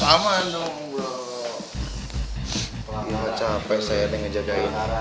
pelanggan baca wang yaa